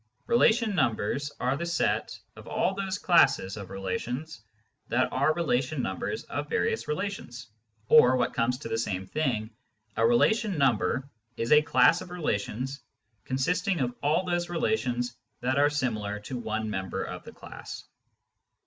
" Relation numbers " are the set of all those classes of relations that are relation numbers of various relations ; or, what comes to the same thing, a relation number is a class of relations consisting of all those relations that are similar to one member of £he class.